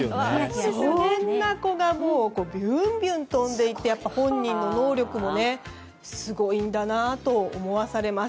そんな子がビュンビュン跳んでいて本人の能力もすごいんだと思わされます。